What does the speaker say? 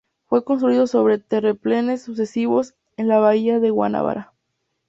Fue construido sobre terraplenes sucesivos en la bahía de Guanabara.